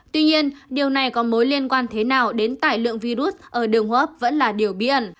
tuy nhiên điều này có mối liên quan thế nào đến tải lượng virus ở đường hốp vẫn là điều biển